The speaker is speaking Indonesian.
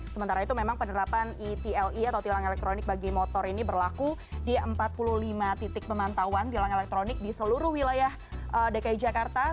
sementara itu memang penerapan etle atau tilang elektronik bagi motor ini berlaku di empat puluh lima titik pemantauan tilang elektronik di seluruh wilayah dki jakarta